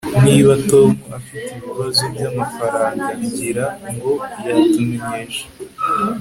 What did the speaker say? niba tom afite ibibazo byamafaranga, ngira ngo yatumenyesha